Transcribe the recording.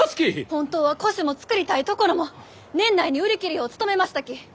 本当は古酒も造りたいところも年内に売り切るよう努めましたき！